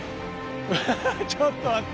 ハハハちょっと待って。